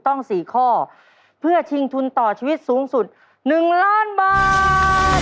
ตั้งสี่ข้อเพื่อชิงทุนต่อชีวิตสูงสุดหนึ่งล้านบาท